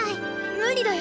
無理だよ。